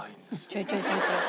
ちょいちょいちょいちょい。